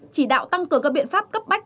chỉ đạo tăng cường các biện pháp cấp bách